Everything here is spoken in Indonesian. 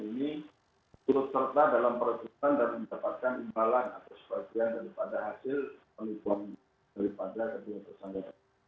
ini turut serta dalam perebutan dan mendapatkan imbalan atau sebagian daripada hasil penipuan daripada kedua tersangka